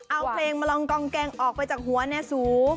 เอาเพลงมาลองกองแกงออกไปจากหัวแนวสู